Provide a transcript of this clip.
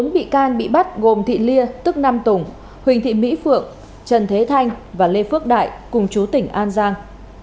bốn bị can bị bắt gồm thị liên tức năm tùng huỳnh thị mỹ phượng trần thế thanh và lê phước đại cùng chú tỉnh an giang